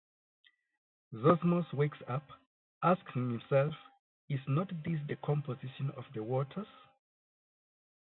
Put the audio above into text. Zosimos wakes up, asks himself, Is not this the composition of the waters?